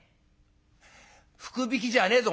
「福引きじゃねえぞ